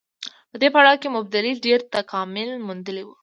په دې پړاو کې مبادلې ډېر تکامل موندلی وو